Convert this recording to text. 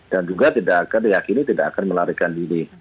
dan juga tidak akan diyakini tidak akan melarikan diri